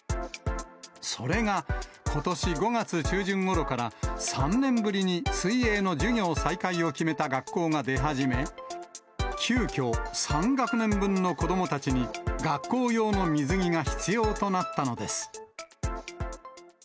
それが、ことし５月中旬ごろから、３年ぶりに水泳の授業再開を決めた学校が出始め、急きょ、３学年分の子どもたちに、学校用の水着が必要となったのです。